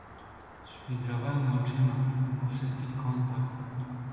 "Świdrowałem oczyma po wszystkich kątach."